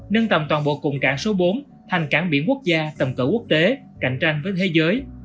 nâng tầm toàn bộ cùng cảng số bốn thành cảng biển quốc gia tầm cỡ quốc tế cạnh tranh với thế giới